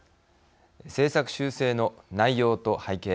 政策修正の内容と背景。